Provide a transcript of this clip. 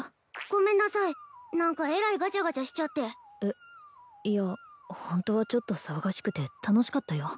ごめんなさい何かえらいガチャガチャしちゃってえっいやホントはちょっと騒がしくて楽しかったよ